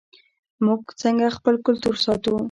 موږ څنګه خپل کلتور ساتو؟